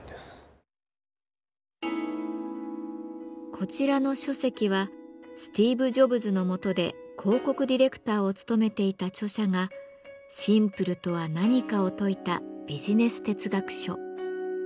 こちらの書籍はスティーブ・ジョブズの下で広告ディレクターを務めていた著者が「シンプルとは何か」を説いたビジネス哲学書。